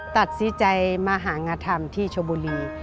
ตัดสิจัยมหางอธรรมที่โชบุรี